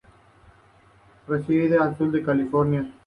Reside en el sur de California.